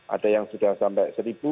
ada yang sudah sampai seribu